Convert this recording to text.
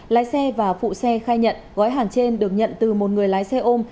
lái xe và phụ xe khai nhận gói hàng trên được nhận từ một người lái xe ôm